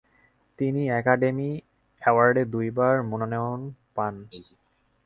তিনি অ্যাকাডেমি অ্যাওয়ার্ডে দুইবার মনোনয়নও পান।